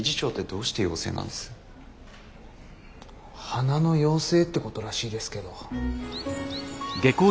花の妖精ってことらしいですけど。